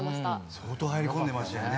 相当入り込んでましたよね。